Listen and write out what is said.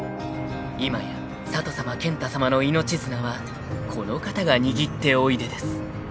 ［今や佐都さま健太さまの命綱はこの方が握っておいでです］